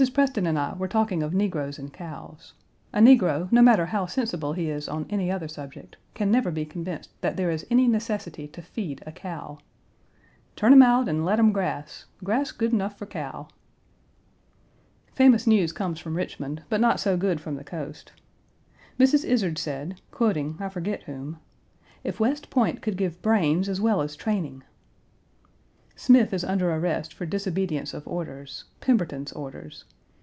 Preston and I were talking of negroes and cows. A negro, no matter how sensible he is on any other subject, can never be convinced that there is any necessity to feed a cow. "Turn 'em out, and let 'em grass. Grass good nuff for cow." Famous news comes from Richmond, but not so good from the coast. Mrs. Izard said, quoting I forget whom: "If West Point could give brains as well as training!" Smith is under arrest for disobedience of orders Pemberton's orders.